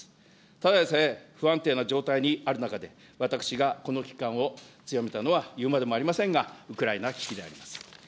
ただでさえ不安定な状態にある中で、私がこの危機感を強めたのは言うまでもありませんが、ウクライナ危機であります。